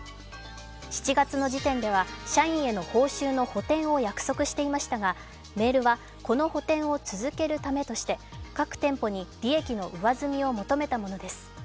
７月の時点では社員への報酬の補填を約束していましたが、メールはこの補填を続けるためとして各店舗に利益の上積みを求めたものです。